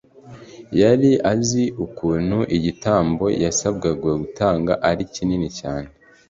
Yari azi ukuntu igitambo yasabwaga gutanga ari kinini cyane;